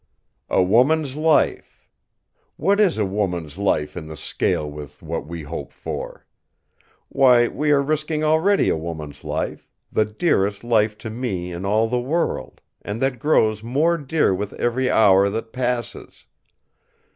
"'A woman's life!' What is a woman's life in the scale with what we hope for! Why, we are risking already a woman's life; the dearest life to me in all the world, and that grows more dear with every hour that passes.